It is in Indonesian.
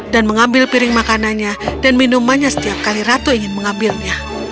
dan mengambil piring makanannya dan minumannya setiap kali ratu ingin makan